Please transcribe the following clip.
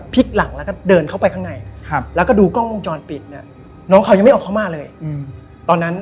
พอทุกอย่างเสร็จแล้ว